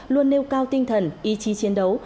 luôn nêu cao tinh thần ý chí chiến đấu